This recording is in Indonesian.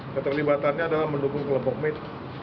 keterlibatannya adalah mendukung kelompok mit